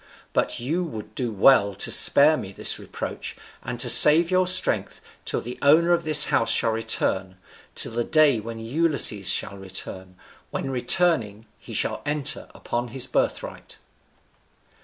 But you would do well to spare me this reproach, and to save your strength till the owner of this house shall return, till the day when Ulysses shall return, when returning he shall enter upon his birthright."